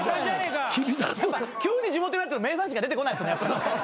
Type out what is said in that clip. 急に地元言われると名産しか出てこないっすね。